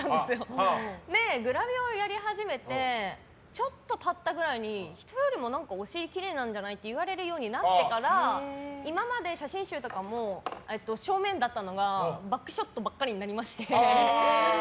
グラビアをやり始めてちょっと経ったくらいに人よりもお尻きれいなんじゃないって言われるようになってから今まで写真集とかも正面だったのがバックショットばっかりになりまして。